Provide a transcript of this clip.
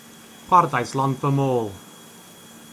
Chwarddais lond fy môl!